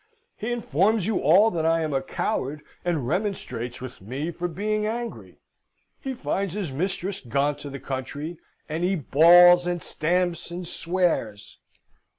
He informs you all that I am a coward, and remonstrates with me for being angry. He finds his mistress gone to the country, and he bawls, and stamps, and swears.